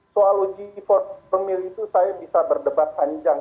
soal uji formil pemilih itu saya bisa berdebat panjang